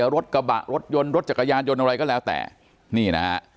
รถกระบะรถยนต์โดรตจักรยานยนต์อะไรก็แล้วแต่นี่น่ะครับ